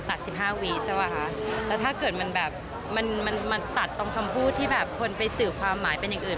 แต่ถ้าเกิดมันตัดตรงคำพูดที่คนไปสื่อความหมายเป็นอย่างอื่น